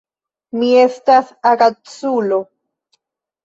Mi estas agaculo.